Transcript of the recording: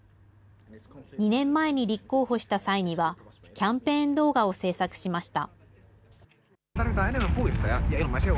２年前に立候補した際には、キャンペーン動画を制作しました。